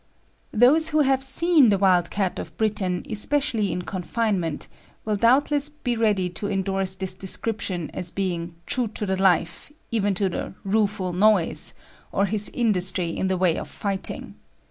Those who have seen the wild cat of Britain, especially in confinement, will doubtless be ready to endorse this description as being "true to the life," even to the "rufull noyse," or his industry in the way of fighting.